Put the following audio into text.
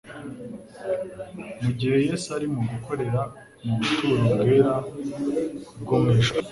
Mu gihe Yesu ari mu gukorera mu buturo bwera bwo mu ijuru,